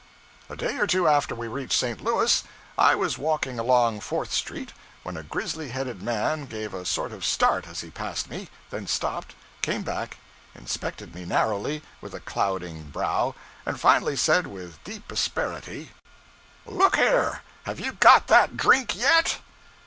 A day or two after we reached St. Louis, I was walking along Fourth Street when a grizzly headed man gave a sort of start as he passed me, then stopped, came back, inspected me narrowly, with a clouding brow, and finally said with deep asperity 'Look here, _have you got that drink yet?